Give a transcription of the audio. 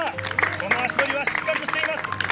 その足取りはしっかりとしています。